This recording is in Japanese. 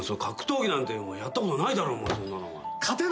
格闘技なんてやったことないだろお前。